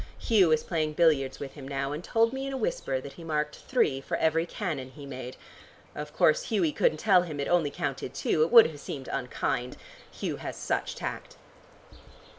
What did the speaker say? Hugh is playing billiards with him now, and told me in a whisper that he marked three for every cannon he made. Of course Hughie couldn't tell him it only counted two. It would have seemed unkind. Hugh has such tact."